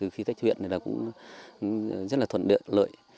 phi tách huyện này là cũng rất là thuận điện lợi